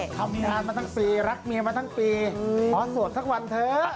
ทำงานมาทั้งปีรักเมียมาทั้งปีขอสวดสักวันเถอะ